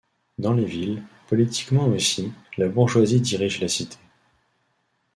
Dans les villes, politiquement aussi, la bourgeoisie dirige la cité.